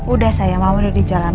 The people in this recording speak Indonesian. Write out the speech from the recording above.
udah sayang mama udah di jalan